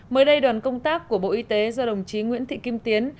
mới đây đoàn công tác của bộ y tế do đồng chí nguyễn thị kim tiến